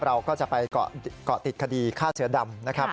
เราก็จะไปเกาะติดคดีฆ่าเสือดำนะครับ